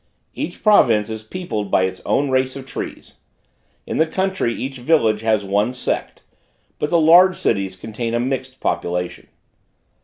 Each province is peopled by its own race of trees; in the country each village has one sect; but the large cities contain a mixed population.